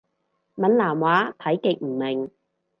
閩南話睇極唔明